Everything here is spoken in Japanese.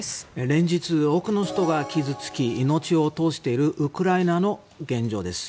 連日多くの人が傷つき命を落としているウクライナの現状です。